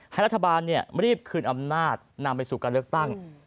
ให้รัฐบาลรีบคืนอำนาจนำไปสู่การเลือกตั้ง